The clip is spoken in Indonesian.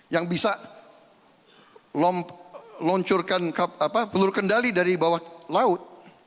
yang bisa meluncurkan peluru kendali dari bawah laut